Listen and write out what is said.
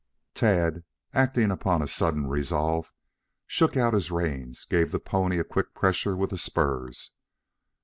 Tad, acting upon a sudden resolve, shook out his reins, gave the pony a quick pressure with the spurs.